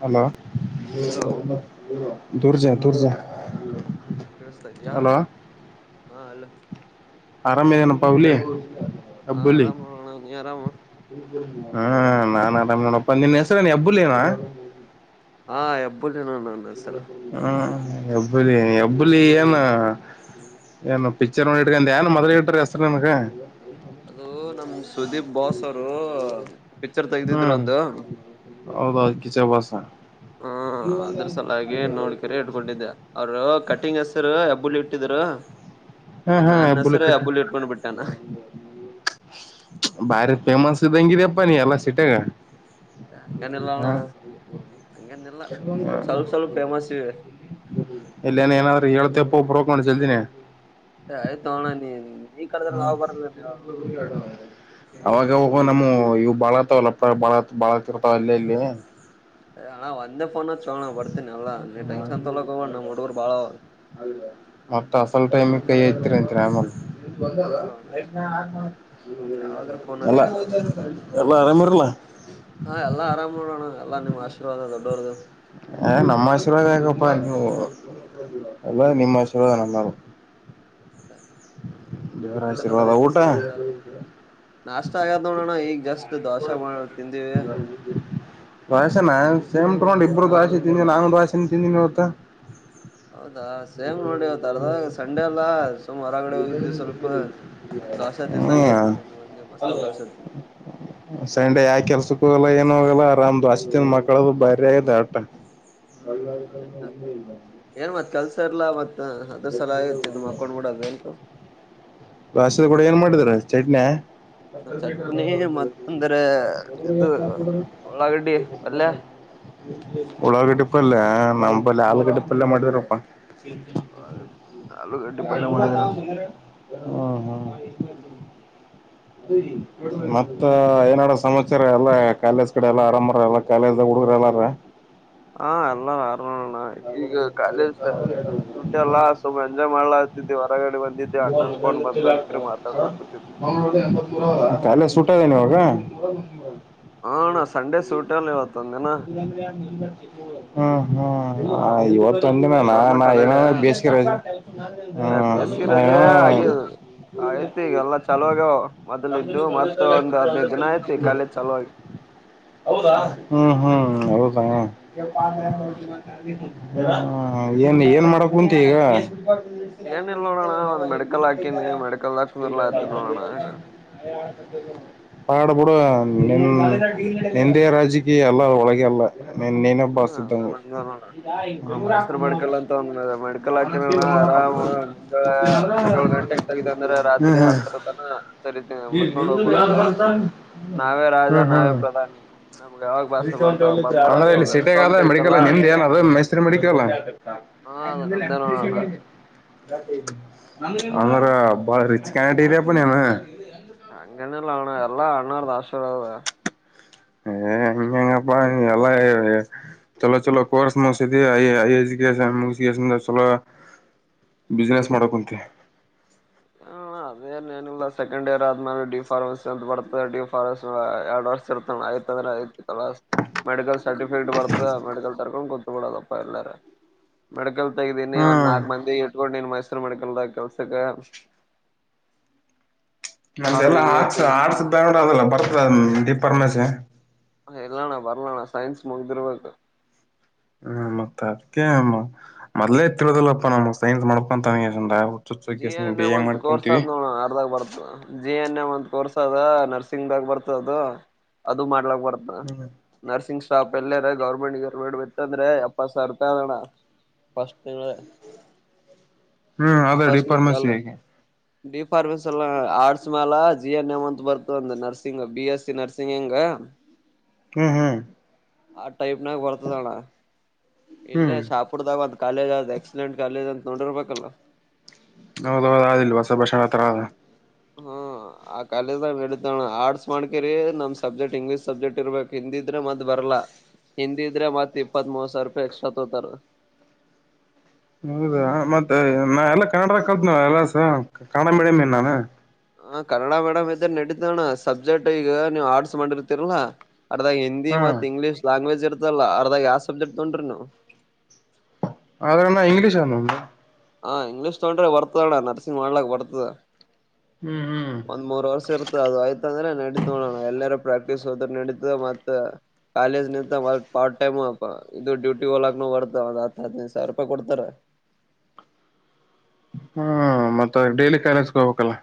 Hello hello ದುರ್ಜೆ ದುರ್ಜೆ ಕೇಳಸ್ತಾ ಇದ್ಯಾ ಹಾ ಅಲ್ಲ ಆರಾಮ ಇದೇನಪ್ಪ ಹುಲಿ ಹಾ ಆರಾಮಣ ನೀ ಆರಾಮ ಹ್ಮ್ ನಾನ್ ಆರಾಮ್ ನೋಡಪ್ಪ ನಿನ್ ಹೆಸರೇನ್ ಹೆಬ್ಬುಲಿನ ಹಾ ಹೆಬ್ಬುಲಿ ನಾನು ಹ್ಮ ಹೆಬ್ಬುಲಿ ಹೆಬ್ಬುಲಿ ಏನ ಏನು ಪಿಚ್ಚರ್ ನೋಡಿ ಇಟ್ಕೊಂಡಿಯ ಏನು ಮೊದಲ ಇಟ್ರ ಹೆಸರೇ ನಿಂಗೆ ಅದು ನಮ್ ಸುದೀಪ್ ಬಾಸ್ ಅವರು ಪಿಕ್ಚರ್ ತೆಗ್ದಿದ್ರು ಹ್ಮ್ ಒಂದು ಹೌದ ಕಿಚ್ಚ ಬಾಸ್ ಹ್ಮ ಅದ್ರ ಸಲಾಗಿ ನೋಡ್ಕರೆ ಇಡ್ಕೊಂಡಿದ್ದೆ ಅವರು ಕಟಿಂಗ್ ಹೆಸರು ಹೆಬ್ಬುಲಿ ಹೆಬ್ಬುಲಿ ಇಟ್ಟಿದರು ಹಾ ಹಾ ನಾನ್ ಹೆಸರು ಕಟ್ಟಿ ಹೆಬ್ಬುಲಿ ಇಟ್ಕೊಂಡ್ ಬಿಟ್ಟಾನ ಬಾರಿ ಫೇಮಸ್ ಇದ್ದಂಗಿದಪ್ಪ ನೀ ಎಲ್ಲ ಸಿಟೆಗಾ ಹಂಗನಲ್ಲಣ ಹಂಗನಲ್ಲ ಸುಮ್ ಸಲ್ಪ ಸಲ್ ಫೇಮಸ್ ಇವೆ ಇಲ್ಲನ ಏನಾದ್ರರು ಹೇಳಏಳ್ತಿಪ್ಪ ಒಬ ಹಕೊಂಡು ಚಲ್ದೀಿನಿ ಆಯ್ ತೋಣ ನೀ ನೀ ಕರೆದ್ರೆ ಹ್ಮ ನಾವ್ ಬರಲ್ಲ ಅಣ್ಣ ಅವಾಗ ಅವಾಗ ಓ ನಮ್ಮ ಇವು ಬಾಳತಾವಲ್ಲಪ್ಪ ಬಾಳ ಬಾಳತ್ತರ್ತಾವ ಅಲ್ಲ ಇಲ್ಲಿ ಹಾ ಒಂದ ಫೋನ್ ಚೋ ಬರ್ತೀನ ಎಲ್ಲಾ ನೀನ್ ಟೆನ್ ತೊಲೋಕ ನಮ್ಮ್ ಹುಡುಗುರು ಬಾಳ ಅವ ಮತ್ತ ಅಸಲ್ ಟೈಮ ಕೈ ಆಐ್ತರಿಂತರಿಮಲ್ಲಿ ಇಲ್ಲ ಅಣ್ಣ ಯಾವಾಗ್ಲೂ ಫೋನ್ ಅಲ್ಲ ಎಲ್ಲ ಅರಮರಲ್ಲ ಹಾ ಎಲ್ಲಾ ಆರಾಮ್ ನೋಡೋಣ ಎಲ್ಲಾ ನಿಮ್ಮ್ ಆಶೀರ್ವಾದ ದೊಡ್ಡವರದು ಹ ನಮ್ಮ ಆಶೀರ್ವಾದ ಯಾಗಪ್ಪಾ ನೀ ಎಲ್ಲ ನಿಮ್ಮ್ ಆಶೀರ್ವಾದ ನಮ್ಮಯಾಗೆ ಸರಿ ಜೋರ ಆಶೀರ್ವಾದ ಊಟ ನಾಷ್ಟ ಆಗಾದ ನೋಡೋಣ ಈಗ್ ಜಸ್ಟ್ ದೋಸೆ ಮಾಡ ತಿಂದಿವಿ ದೋಸೆನಾ ಸೇಮ್ ತೊಂಡ್ ಇಬ್ಬರು ಹಾ ದೋಸೆ ತಿಂದಿನಿ ನಾಂಗ ದೋಸೆನೇನ ತಿಂದೀನಿ ಇವತ್ತ ಹೌದಾ ಸೇಮ್ ನೋಡಿ ಅವವತ ಅಾರದ ಸಂಡೆ ಎಲ್ಲಾ ತುಮ್ಮ ಹೊರಗಡೆ ಹೋಗಿದ್ದು ಸ್ವಲ್ಪ ದೋಸೆ ತಿಂದಂಗ ಹ್ಮ್ ಆಯ್ತ ತಿಂದು ಒಂದಗೆ ಮಸಾಲೆ ದೋಸೆ ತಿಂದು ಸಂಡೆ ಯಾ ಕೆಲ್ಸಕ್ಕ ಹೋಗಲ್ಲ ಏನ ಹೋಗಲ್ಲ ಆರಾಮ್ ಅಸ್ತನ್ ಮಕ್ಕಳದು ಬಾರಿ ಆದೆ ಅಟ ಹ್ಮ್ ಹ್ಮ್ ಒಳ್ಳಾರಿತೂ ಒಂದ ಇಲ್ಲ ಸರ್ಲಾವತ್ ಬಾಸದ ಕೂಡ ಏನ್ ಮಾಡಿದ್ರ ಚಟ್ನಿ ಚಟ್ನಿ ಮತ್ತಂದ್ರೆ ಇದು ಉಳ್ಳಾಗಡ್ಡಿ ಪಲ್ಯ ಉಳ್ಳಾಗಡ್ಡಿ ಪಲ್ಯ ನಮಂಬಲ್ಲಿ ಆಲೂಗಡ್ಡೆ ಪಲ್ಯ ಮಾಡಿದ್ರಪ್ಪ ಹ ಆಲೂಗಡ್ಡಿ ಪಲ್ಯ ಹ್ಮ ಹಾ ಹ್ಮ್ಮ ಹ್ಮ ಮತ್ತ ಏನಡ ಸಮಾಚ್ಯಾರ ಎಲ್ಲ ಕಾಲೇಜ್ ಕಡೆ ಎಲ್ಲ ಆರಾಮ ಎಲ್ಲ ಕಾಲೇಜ್ಾಗಡ ಪರಲಾ ಹಾ ಎಲ್ಲ ಹ್ಮ ಈಗ ಕಾಲೇಜ್ ಶುಟಿ ಎಲ್ಲಾ ಸ್ವಲ್ ಎಂಜಾಯ್ ಮಾಡ್ಲಾ ಆತಿದವಿ ಹೊರಗಡೆ ಬಂದು ಹತ ಕೂತಿದ್ದೆ. ಕ ಸ ೋಗ ಹಾ ಅಣ್ಣ ಸಂಡೆ ಸೂಟಿ ಅಲ್ಲ ಇವತ್ತೊಂದ ದಿನ ಹ್ಮ್ ಹ್ಮ್ ಇವತ್ತು ತಂದೆ ನನಾ ನಾ ಗೌರ್ಮೆಂಟ್ ಮೇಮ ಹಾಲಿಡೇ ಬೇಸಿಗೆ ರದು ಹ್ಮ ಬೇಸಿಗೆ ರಜೆ ಹಾಗೆ ಆಯ್ತಿ ಈಗಲ್ಲ ಚಲುವಾಗ ಮೊದ್ಲ ಇದ್ದು ಮತ್ ಒಂದು್ ಹದ್ನೈದ್ ದಿನ ಐ್ತಿ ಕಖಾಲೀದ ಚಲೋಾಗಿ ಹೌದಾ ಹ್ಮ್ ಹ್ಮ್ ಹೌದ ಏನ್ ಏನ್ ಮಾಡಕ್ ಕುಂತ ಈಗ ಏನಿಲ್ಲ ನೋ ಇದ್ದಾರೆ ಮ್ಯಾಲ ಆಯ್ತು ನೋಡೋಣ. ಹಾಡ್ ಬಿಿಡುವ ನಿಮ ಹಿಂದೆ ರಾಜಕೀಯ ಅಲ್ಲ ಒಳಗೆ ಅಲ್ಲ ನಿನ್ ನೀನೇ ಹಾ ಬಾಸ್ ಇದ್ದಂಗ ಅಲ್ಲ ನೋಡ ಮೈಸೂರು ಮೆಡಿಕಲ್ ಅಂತ ಒಂದ ಮೆಡಿಕಲ್ ಹಾಕಣ ಆರಾಮ ಅ ಏಳ್ ಗಂಟೆೆಗೆ ತಗಿತ ಅಂದ್ರೆ ರಾತ್ರಿ ಹತ್ತರ ತನ ಸರಿತೀ ಮುಚ್ಕೊಂಡ್ ಹೋಗ್ಬಿಡದು ನಾವೇ ರಾಜ ಹ್ಮ್ ನಾವೇ ಹ್ಮ್ ಪ್ರಧಾನಿ ನಮ್ಗೆ ಯಾವಾಗ ಬ್ಯಸ್ ಬರ್ತವಾಗ ಬಂದ್ ಮಾಡ ಅಂದ್ರೆ ಇಲ್ಲಿ ಸಿೀಟೆಗಾದ ಮೆಿಕಲ್ ನಿಮ್ದ ಏನ್ ಅದು ಮೈಸೂರು ಮೆಡಿಕಲ್ ಅಲ್ಲ ಹಾ ಅದು ನಮ್ದೇ ನೋಡೋಣ ಅ ಅಮರ ಬಳ ರೀಚ ಕಾನಟ ಇರಿಪ ಅ ಅಂಗನಲ್ಲ ಹಣ ಎಲ್ಲಾ ಅಣ್ಣರು ದ ಆಶರ ಏ ಹೆಂಗಂಗಪ್ಪ ಎಲ್ಲ ಚಲೋ ಚಲೋ ಕೋರ್ ಮು ಚಲ ಬಿಸ್ಿನೆಸ್ ಮಾಡಕಂತೆ ಅದೇ ನನಲ್ಲ ಸೆಕಂಡ್ ಇಯರ್ ಆದ್ಮೇಲೆ ಡಿಫಾರ ಬ ಡಿಫಾರ ಎರಡ್ ವರ್ ಇ ಮಡಲ್ ಸರ್ಿ ಫಡ್ ಬರ್ತ ಮೆಡಿಕಲ್ ತರ್ಕೊಂಡ್ ಗೊತ್ಕದಪ್ಪಾ ಎಲ್ಲಾರ ಮೆಡಿಕಲ್ ತಗೀಿ ಒಂದ್ ಹ್ಮ್ ನಾಲ್ಕ್ ಮಂದಿ ಇಟ್ಕೊಂಡು ನೀನ್ ಮೈಸೂರು ಮೆಡಕಲ್ದ ಕೆಲ್ಸ ನ ಎಲ್ಲಾ ಅವ್ರಿಗೆ ಹಾಕ್ಸ ಆಡ್ಸ ಬೇಡ ಅದಲ್ಲ ಬರ್ತದ ದೀಪ ರಮೇಶೆ ಎಲ್ಲಣ್ಣ ಬರ್ಲಣ್ಣ ಸೈನ್ಸ್ ಮುಗ್ದಿರ್ಬೇಕು ಹ್ಮ ಮತ್ತ ಅದಕಮ್ಮ ಮೊದಲಲೆ ತಿಳದಲ್ಪ್ಪ ನಮ್ಮ್ ಸೈನ್ಸ್ ಮಾಡ್ಕ ಅಂತಬ ಜಿ ಎನ್ ಎ ಅಂತತ್ ಕೋರ್ಸದ್ ನೋಡ ಅರ್ದಾಗ ಬರ್ತ ಜಿ ಎನ್ ಎ್ ಅಂತ ಕೋರ್ಸ್ ಅದ ನರ್ಸಿಂಗ್ಾಗ ಬರ್ತ ಅದು ಅದು ಮಾಡ್ಲಕ್ ಬರ್ತ ಹ್ಮ್ ನರ್ಸಿಂಗ್ ಸ್ಟಾಪ್ ಎಲ್ಲಾರ ಗೌರ್ಮೆಂಟ್ ಗರ್ಮೆಂಟ್ ಬಿತ್ತಂದ್ರೆ ಅಪ್ಪ ಸರ್ತೋಣ ಫಸ್ಟ್ ತಿಂಗ ಹ್ಮ್ ಅ ಡಿ ಪಾರ್ಮಸಿಿಯಾಗಿ ಡಿಫಾರ್ಮಸ್ ಎಲ್ಲ ಆರ್ಟ್ಸ್ ಮ್ಯಾಲ ಜಿ ಎನ್ ಎಮ್ ಅಂತ ಬರ್ತ ಒಂದ nursing B S C nursing ಹೆಂಗ್ ಹ ಹ್ಮ್ ಹ್ಮ್ ಆ ಟೈಪ್ ನಾಗ ಬರ್ತದಣ ಇಲ್ಲೇ ಹ್ಮ್ ಶಾಪುರ್ದಾಗ ಒಂದ ಕಾಲೇಜ್ ಆದ್ ಎಕ್ಸಲೆಂಟ್ ಕಾಲೇಜ್ ಅಂತ ನೋಡಿರ್ಬೇಕಲ್ಲ ಹೌದ ಹೌದು ಅಲ್ ಹೊಸ ಭಷಣ ಹತ್ರ ಆದ ಹ್ಮ ಆ ಕಾಲೇಜ ಹೇಳಣ ಆರ್ಟ್ಸ್ ಮಾಡ್ಕಿರಿ ನಮ್ ಸಬ್ಜೆಕ್ಟ್ ಇಂಗ್ಲೀಷ್ ಸಬ್ಜೆಕ್ಟ್ ಇರ್ಬೇಕು ಹಿಂದಿಿದ್ರೆ ಮದ್ ಬರ್ಲಾ ಹಿಂದಿದ್ರೆ ಮತ್ ಇಪ್ಪತ್ ಮೂರ್ ಸಾವಿರ ರೂಪಾಯಿ ಎಕ್ಸ್ಟ್ರಾ ತೋತಾರ [unintelligible] ಹೌದಾ ಮತ್ತೆ ನಾ ಎಲ್ಲ ಕಾಣ್ರಲ್ತ್ ಎಲ್ಲಸ ಕ ಮಿಡಮನ್ ನಾನ ಹ ಕನ್ನಡ ಮೇಡಮಂ ಇದ್ದ ನಡೀತಣ ಸಬ್ಜೆಕ್ಟ್ ಈಗ ನೀವು ಆರ್ಡ್ಸ್ ಮಾಡಿರ್ತಿೀರಲ್ಲಾ ಅರ್ದಾಗ ಹಿಂದಿ ಹಾ ಮತ್ ಇಂಗ್ಲೀಷ್ ಲ್ಯಾಂಗ್ವೇಜ್ ಇರ್ತಲ್ಲ ಅರ್ದಾಗ ಯಾವ ಸಬ್ಜೆಕ್ಟ್ ತೊೊಂಡ್ರಿ ನೀವು ಆದ್ರಣ ಇಂಗ್ಲೀಷ್ ಅನು ಹ ಇಂಗ್ಲೀಷ್ ತೊೊಂಡ್ರೆ ಬರ್ತದ ಅಡ ನರ್ಸಿಂಗ್ ಮಾಡ್ಲಕ್ ಬರ್ತದ ಹ್ಮ್ ಹ್ಮ್ ಒಂದ್ ಮೂರ್ ವರ್ಷ ಇರ್ತದೆ ಅದು ಆಯ್ತ ಅಂದ್ರೆ ನಡೀತ್ ನೋಡೋಣ ಎಲ್ಲರ ಪ್ರಾಕ್ಟೀಸ್ ಹೋದ ನಡತ ಮತ್ತ ಕಾಲೇಜ್ ನಿಂತ ಪಾರ್ಟ್ ಟೈಮ್ ಇದು ಡ್ಯೂಟಿ ಹಲಾಕ್ ಬರ್ತ ಒ ಹದಿನೈದು ಸಾವಿ ರೂಪಾಯಿ ಕೊಡ್ತಾರೆ ಹ್ಮ ಮತ್ತದ ಡೈಲಿ ಕಾಲೇಜಗೆ ಹೋಗ್ಬೇಕಲ್ಲ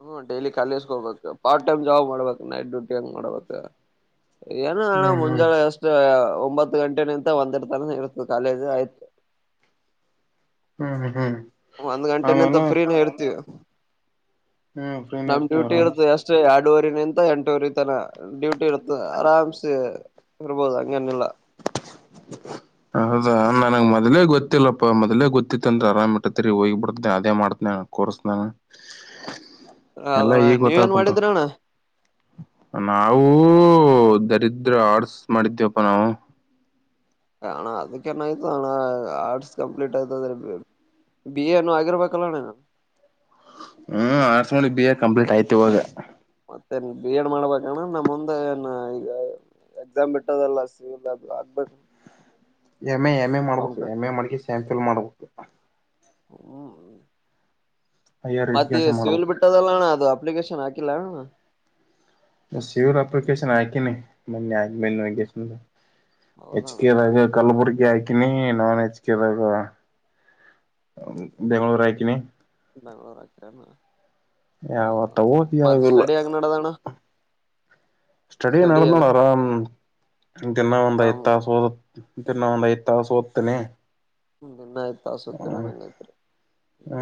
ಹ್ಮ ಡೈಲಿ ಕಾಲಿಸಕೋಬೇಕು ಪಾರ್ಟ್ ಟೈಮ್ ಜಾಬ್ ಮಾಡ್ಬೇಕು ನೈಟ್ ಡ್ಯೂಟಿ ಹಂಗ್ ಮಾಡ್ಬೇಕ ಏನ ಅಣ ಹ್ಮ್ ಹ್ಮ್ ಮುಂಜಳೆ ಎಷ್ಟು ಒಂಬತ್ತು ಗಂಟೆ ನಿಂತ ಒಂದೆರ ತನಕ ಇರ್ತದೆ ಕಾಲೇಜ್ ಆಯ್ತು ಹ್ಮ್ ಹ್ಮ್ ಹ್ಮ್ ಒಂದ್ ಗಂಟೆನೆಂತ ಆಮೇಲೆ ಫ್ರೀನ ಹೇಳ್ತೀವಿ ಹ್ಮ್ ಫ್ರೀನೇ ನಮ್ ಇರ್ತೀವಿ ಡ್ಯೂಟಿ ಆರಾಮ್ ಇರುತ್ತೆ ಅಷ್ಟೇ ಆ ಎರಡೂುವರಿ ನಿಂತ ಎಂಟವರಿ ತನ ಡ್ಯೂಟಿ ಇರುತ್ತ ಆರಾಮ್ಸೆ ಇರ್ಬೋದು ಅಂಗನಿಲ್ಲ ಹೌದಾ ನನಗೆ ಮೊದ್ೇ ಗೊತ್ತಿಲ್ಲಪ್ಪಾ ಮೊದಲೇ ಗೊತ್ತ ಅಂದ್ರ ಆರಾಮ ಇಟ್ಟತ್ತತ್ರಿ ಹೋಗಿ ಬಿಡತನನೆ ಅದೇ ಮಾಡ್ತನ ಕೋರ್ಸನಾನ ಎಲ್ಲ ಅದಣ್ಣ ಈಗ್ ಗೊತ್ತ ನೀವೇನ್ ಕುಂತು ಮಾಡಿದ್ರಿ ಅಣ್ಣ ನಾವು ಹ ದರಿದ್ರ ಆರ್ಸ್ ಮಾಡಿದ್ದೇವಪ್ಪಾ ನಾವು ಅಣ್ಣ ಅದಕ್ಕ ನ ಆಾಯ್ತು ಅಣ್ಣ ಆರ್ಟ್ಸ್ ಕಂಪ್ಲೀಟ್ ಆಯ್ತದ್ರೆ ಬಿ ಎನು ಆಗಿರ್ಬೇಕಲ್ಲಣ ಹ್ಮ್ ಆರ್ಟ್ಸ್ ನೋಿ ಬಿ ಎ ಕಂಪ್ಲೀಟ್ ಆಯ್ತಿ ಇವಾಗ ಮತ್ತೆನ್ ಬಿ ಎಡ್ ಮಾಡ್ಬೇಕಣ ನಮ್ಮ ಮುಂದ ಏನ್ ಈಗ ಎಕ್ಸಾಮ್ ಬಿಟ್ಟೋದಲ್ಲ ಸ ಅದು ಆಗ್ಬೇಕು ಎಮ್ ಎಮ್ ಎ ಮಾಡ್ಬಟ್ಟು ಕಂಪ್ಲೀಟ್ ಎಮ್ ಎ ಮಾಡ್ಕ ಸ್ಯಾಂಫಿಲ್ ಮಾಡ್ಬಟ್ಟು ಹ್ಮ್ ಹೈಯರ್ ಮತ್ತೆ ಎಜುಕೇಶನ್ ಶಿವಲ್ ಮಾಡ್ಬೇಕು ಬಿಟ್ಟದಲ್ಲಣ್ಣ ಅದು ಅ ಹಾಕಿ ಸವರ್ ಅಪ್ಲಿಕೇಶನ್ ಹಾಕಿನಿ ಮನ್ನಿ ಆಗ್ಬೇ ವಗನ್ ಹೆಚ್ ಹೌದಣ್ಣ ಕೆೇದ ಕಳ್ಳುಪುರಿ ಹಾಕಿನಿ ನಾನ್ ಹೆಚ್ ಕೆದಾಗ ಬೆಂಗಗಳೂರು ಹಾಕಿನಿ ಬೆಂಗ್ಳೂರ ಹ ಯಾವ ತಗೋ ಮತ್ತ ಯಾವಿಲ್ಲ ಸ್ಟಡಿ ಯಕದಣ ಸ್ಟಡಿ ನಡ ನೋಳ ಆರಾಮ್ ದಿನ ಒಂದ್ ಆರಾಮ್ ಐ್ತ ಸೋದ ತಿನ್ನದ ಇತ ಸೊತನೆ ನಿನ್ನಾಯ್ತ ತಸುತೀರ ನಂಗೈ್ತ್ೆ ಹ್ಮ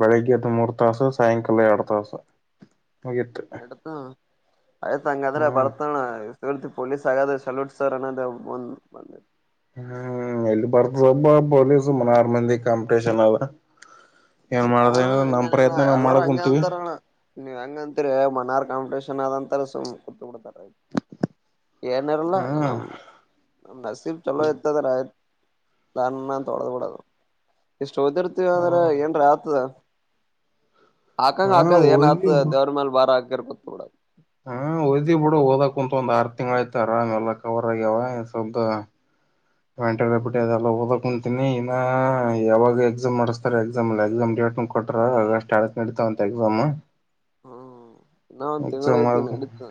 ಬೆಳಿಗ್ಗೆ ಹದ ಮೂರು ತಾಸ ಸಾಯಂಕಾಲ ಎರಡು ತಾಸ ನೆಡ್ತಾ ಆಯ್ತ್ ಹಂಗಾದ್ರೆ ಹ್ಮ್ ಬರ್ತಣ ಪೊಲೀಸ್ ಹಾಗಗಾದೆ ಸಲೂಟ್ ಸರ್ ಅನ್ನದಂದ್ ಬಂದ ಹ್ಮ್ ಎಲ್ಲಿ ಬರ್ತ ಸಬ್ಬ ಪೊಲೀ ಸುಮ್ಮನಾರ ಮಂದಿ ಕಾಂಪಿಟಷನ್ ಅದ ಏನ್ ಮಾಡ್ದ ಹಣ್ಣ ನಮ್ ಹಂಗನನ ಪ್ರಯತ್ನ ನಾವ್ ಎಲ್ಲ ಮಾಡಕ್ ಹಂಗ ಕುಂತೀವಿ ಅಂತಾರ ಅಣ್ಣ ನೀವ್ ಹೆಂಗ ಅಂತರಿ ಮನಾರ್ ಕಾಂಿಟೇಷನ್ ಆದಂತ ಸ ಕೂತ್ ಬಿಡ್ತಾರೆ ್ ಏನಾರಲ್ಲ ಹ್ಮ್ ನಮ್ ನಮ್ ನಸೀಬ್ ಚಲೋ ಇತ್ತದ್ರ ಆಯ್ತು ನ್ ತೊಡೋದಡ ಚೌದಿರ್ತಿೀವ ಅಂದ್ರ ಹ್ಮ್ ಏನ್ರ ಆಗ್ತದ ಹಾಕಂಗ ಹಾ ಹಾಕದು ಏನ್ ಓದಿ ಆತ ದೇವ್ರ ಮೇಲೆ ಬಾರ ಹಾಕರ್ ಕೊೊತ್ ಕೂಡದು ಹಾ ಓದ್ದಿ ಬಿಡ ಓದಕ ಕುಂಂತ ಒಂದ ಆರ್ ತಿಂಗ್ ಆಯ್ತಾರೆಲ್ಲ ಕವರ್ ಆಗ್ಯಾವ ಸ್ವಲ್್ದ ವೆಟಾರೆ ಕಬಟ್ಟಿ ಹ್ಮ್ ಅದೆ ಅಲ್ಲ ಹದಕಂ ಿ ಇನ್ನ ಯಾವಾಗ ಎಕ್ಸಾಮ್ ಮಾಡಿಸಸ್ತಾರೆ ಎಕ್ಸಾಮ್ಲ್ಲ ಎಕ್ಸಾಮ್ ಡೇಟ್ ಕೊಟ್ಟಟ್ರ ಸ್ಟ ಆಸ್ ನಡೀತಾವಂತೆ ಾಮ ನಾ ಒಂದು ತಿಂಗಳಾಯತಿ ಆದ ನಡತ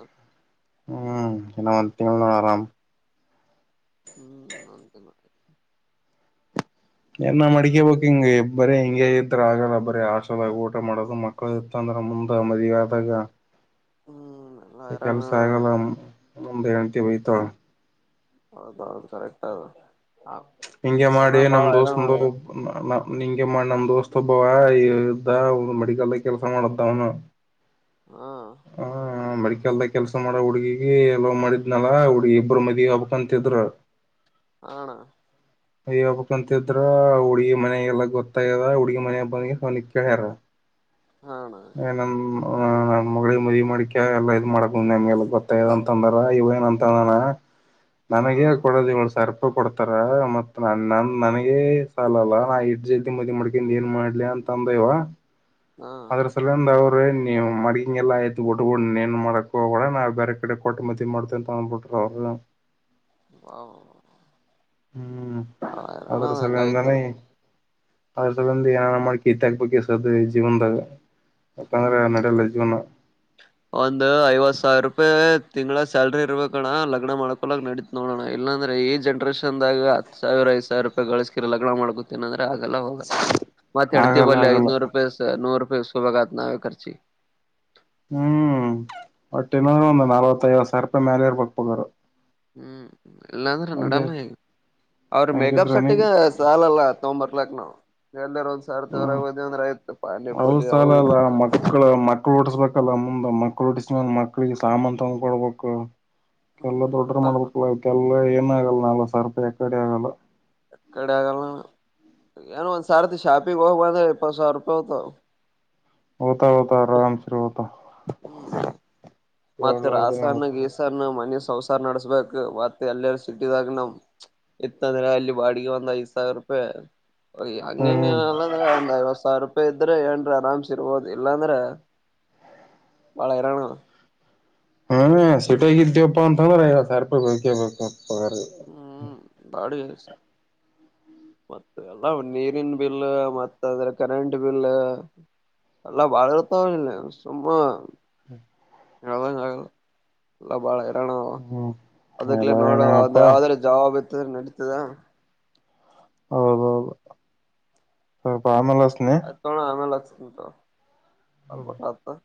ಹ್ಮ್ ಇನ್ನ ವಂದೀಂಗ ಆರಾಮ ಹ್ಮ್ ನಂತ ಮಾಡ ಏನ ಮಡಿಕೇಬೇಕಕ್ ಹಿಂಗಗೆ ಬರೇ ಹಿಂಗೆ ಇದ್ರ ಆಗಲ್ಲ ಬರೀ ಆಶದ ಊಟ ಮಾಡೋದು ಮಕ್ಕಳ ಇತ್ತಂದ್ರ ರ ಮುಂದ ಮರಿವಾದಾಗ ಹ್ಮ ಕೆ ಕೆಲ್ ಸಹ ವೇಗಟ ವಯತಳ ಹೌದೌದು ಕರೆಕ್ಟ್ ಅದು ಹಿಂಂಗಗೆ ಮಾಡಿ ಆಮೇಲ್ ನಮ್ ಬಾಳ ಹೈರಾಣ ದೋಸ್ತಂದು ಅದ ನಿಂಗೆ ನಮ ದೋಸ್ತಬ್ಬವ ಇದ್ದ ಒ ಮೆಡಿಕಲ್ದಾಗ ಕೆಲ್ಸ ಮಾಡದ ಅವನು ಹಾ ಎಲ್ದ ಕೆಲ್ಸ ಮಾಡ ಹುಡ್ಗಿಗ ಎಲ್ಲೋ ಮಾಡಿದ್ನಲ್ಲ ಹುಡ್ಗಿ ಇಬ್ಬರು ಮದಿ ಹಬಕ್ಂತಿದ್ರ ಹಣ ಅಯ್ಯಬಕ್ಂತಿದ್ರ ಹುಡ್ಗಿ ಮನಾಗಲ್ಲ ಗೊತ್ತಾಗದ ಹುಡ್ಗಿ ಮನ ಬಂದಗೆ [unintelligible] ಆ ಅಣ್ಣ [inaudible] ಮದಿ ಮಾಡಿಕಕ ಎಲ್ಲ ಇದ್ ಮಾಡಕ ನಮ್ಗೆಲ್ಲ ಗೊತ್ತಾಯದ ಅಂತ ಅಂದ್ರ ಇವ ಏನಂತ ನಾನ ಹಾ ನನಗೆ ಅಣ್ಣ ಕೊಡೋದ ಏಳು ಸಾವಿರ ಕೊಡ್ತಾರ ಮತ್ ನ ನ ನನಗೆ ಸಾಲ ಅಲ್ಲ ನಾ ಇಡ್ ಜಲ್ದಿ ಮದಿ ಮಾಡ್ಕೊಂಡ ಏನ್ ಮಾಡ್ಲಿ ಅಂತ ತಂದೆವಾ ಹಾ ಅದರ ಸಲಂದ ಅವರು ನೀವು ಮಡಗಿ ಎಲ್ಲ ಆಯ್ತು ಒಟ್ಬು ನೀ ಏನ್ ಮಾಡಕಕ್ ಹೋಗ ನಾವು ಬೇರೆ ಕಡೆ ಕೊಟ್ಟ ಮದ ಮಾಡತೇವಂತ ತಗಂದ್ಬಿಟ್ರಿ ಪ್ರಬ್ಲಮ್ ವಾ ಹ್ಮ್ ಅದರ ಸಲ ಅಂದಾನ ಹಂಗಾಗಿತ್ತದ ಅದ ಸಬಂದು ಏನ ನ ಮಾಡ ಕೀತಾಕಬೇಕ ಕೆಸದ ಜೀವನದಾಗ ಮತ್ತಂದ್ರೆ ನಡಲ್ಲ ಜೀವನ ಒಂದು ಐವತ್ತು ಸಾವಿರ ರೂಪಾಯಿ ತಿಂಗಳ ಸ್ಯಾಲ್ರಿ ಇರ್ಬೇಕಣ್ಣ ಲಗ್ನ ಮಾಡ್ಕೊಳಕ್ ನಡೀತ್ ನೋಡೋಣ ಇಲ್ಲಾಂದ್ರೆ ಈ ಜನ್ರೇಷನ್ದಾಗ ಸಾವಿ ಐದು ಸಾವಿ ರೂಪಾಯಿಗಳಸ್ಕಿ ಲಗ್ನ ಮಾಡ್ಕೋತೀನಿ ಅಂದ್ರ ಆಗಲ್ಲ ಹೋಗ ಮತ್ತತ್ ಹೆಂಡತಿ ಆಗಲ್ಲ ಬಲ್ಲಿ ಆಗಲ್ಲ ಐದು ರೂಪಾಯಿ ನೂರು [unintelligible] ಹ್ಮ್ ಒಟ್ಟಿನ್ನಾದ್ರು ಒಂದು ಹ್ಮ್ ನಲ್ವತ್ತ ಐವತ್ ಸಾವಿರ ರೂಪಾಯಿ ಮ್ಯಾಲರ್ ಪಕ್ಪಗರು ಹ್ಮ್ ಇಲ್ಲಾಂದ್ರೆ ನಡಲ್ಲ ಈಗ ಅವ್ರ ಮೇಕಪ್ ಹಂಗಿದ್ರನಿ ಸೆಟ್ಟಗ ಸಾಲಲ್ಲ ೊಂಬರ್ಲಕ್ ನವು ಎಲ್ಲರ ಸಾವಿರ ಹ್ಮ್ ತೋರಾಗ ಹೋದ್ವಿ ಅಂದ್ರೆ ಆಯ್ತು ಅವದ ಪಾನಿಪುರಿ ಅವು ಸಾಲ ಅಲ್ಲ ಇದು ಮಕ್ಳ ಮಕ್ಳು ಹುತ್ಸಬೇಕಲ್ಲ ಮುಂದ ಮಕ್ ಮಕ್ಳಿಗೆ ಸಾಮಾನ್ ತಗ್ಕ ಕೊಡ್ಬೇಕು ಕೆಲ್ಲ ಹ್ಮ್ ದೊಡ್ಡ್ರ ಎಲ್ಲಪ್ಪ ಮಾಡ್ಬೇಕಲ್ಲ ಆಗಲ್ಲ ನಕ್ಸವಿರ ಯಕಡೆ ಆಗಲ್ಲ ಎಕ್ಕಡೆ ಆಗಲ ಏನೋ ಒಂದ್ ಸಾರ್ತಿ ಶಾಪಿಿಗೆ ಹೋಗ್ ಬಂದ್ರೆ ಇಪ್ಪತ್ತು ಸಾವಿರ ರೂಪಾಯಿ ಹತಾವ ಹತಾ ಹೊತಾ ಆರಾಮ ಸ ಹತ ಹ್ಮ್ ಮತ್ತ ರಾಸನ್ನ ಗೀಸನ್ನ ಮನಸ ಸಂಸಾರ ನಡೆಸ್ಬೇಕು ಮತ್ತೆ ಎಲ್ಲ ಸಿಟಿದಾಗ ನಾವ್ ಇತ್ತಂದ್ರೆ ಅಲ್ಲಿ ಬಾಡಿಗೆ ಒಂದು ಐದ್ ಸಾವಿರ ಅಂಗ ಹ್ಮ್ ನಲ್ಲ ಅಂದ ಐವತ್ತು ಸಾವಿರ ಇದ್ರೆ ಏನ್ರ ಆರಾಮ್ಸ ಇರ್ಬೋದು ಇಲ್ಲಾಂದ್ರೆ ಬಾಳ ಇರೋಣ ಹ್ಮ ಸಟಗಿದ್ಯಪ್ಪಾ ಅಂತಂದ್ರೆಗ ಐವತ್ತು ಸಾವಿರ ರೂಪಾಯಿ ಬೇಕೆಬೇಕು ಹ್ಮ್ ಬಾಡುಗೆ ಮತ್ತ ಎಲ್ಲ ನೀರಿನ ಬಿಲ್ ಮತ್ತ ಅಂದ್ರೆ ಕರೆಂಟ್ ಬಿಲ್ ಅಲ್ಲ ಬಾಳ ಇತಲ್ಲ ಸುಮ್ಮ [inaudible] ಯ ಎಲ್ಲ ಭಾಳ ಇ ಕಣ ಹ್ಮ್ ಅದಕ್ಲ ಎಲ್ಲ ನೋಡ ಏನೇ ಅಪ್ಪಾ ಯಾವ್ದ್ರ ಜವಾಬ ಇತ್ತದ ನಡೀತದ ಹೌದೌದು ಪಾಮಲ್ಲ ಆಯಿತು ಅಣ್ಣ ಆಮೇಲೆ ಹಚ್ತೀನಿ ಥೋ